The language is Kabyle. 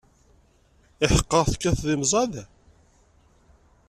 Iḥeqqa, tekkateḍ imẓad?